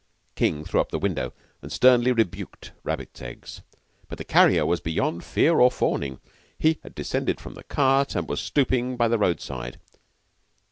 King threw up the window, and sternly rebuked Rabbits Eggs. But the carrier was beyond fear or fawning. He had descended from the cart, and was stooping by the roadside.